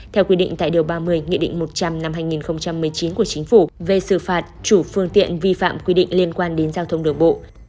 theo quy định tại điều ba mươi nghị định một trăm linh năm hai nghìn một mươi chín của chính phủ về xử phạt chủ phương tiện vi phạm quy định liên quan đến giao thông đường bộ